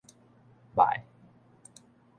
唄